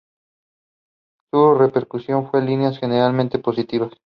Su recepción fue en líneas generales positiva.